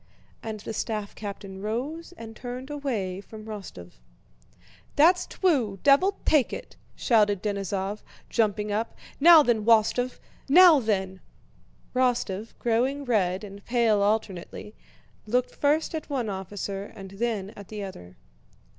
And the staff captain rose and turned away from Rostóv. "That's twue, devil take it!" shouted Denísov, jumping up. "Now then, Wostóv, now then!" Rostóv, growing red and pale alternately, looked first at one officer and then at the other.